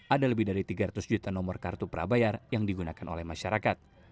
ada lebih dari tiga ratus juta nomor kartu prabayar yang digunakan oleh masyarakat